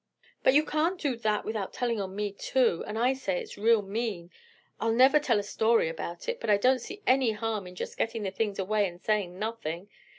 "But you can't do that without telling on me too, and I say it's real mean. I'll never tell a story about it, but I don't see any harm in just getting the things away and saying nothing.